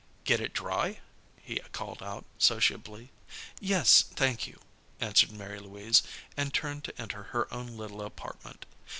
"Get it dry?" he called out, sociably. "Yes, thank you," answered Mary Louise, and turned to enter her own little apartment.